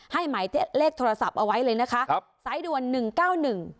หมายเลขโทรศัพท์เอาไว้เลยนะคะครับสายด่วนหนึ่งเก้าหนึ่ง